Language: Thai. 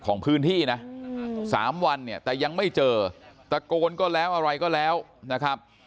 ของพื้นที่นะ๓วันเนี่ยแต่ยังไม่เจอตะโกนก็แล้วอะไรก็แล้วนะครับ